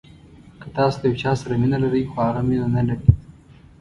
که تاسو د یو چا سره مینه لرئ خو هغه مینه نلري.